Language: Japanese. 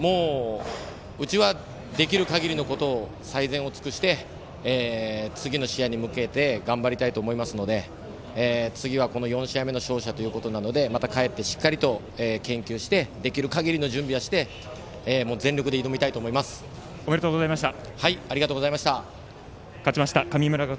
うちはできるかぎりのことを最善を尽くして次の試合に向けて頑張りたいと思いますので次はこの４試合目の勝者ということなので帰ってしっかりと研究をしてできるかぎりの準備をしておめでとうございました。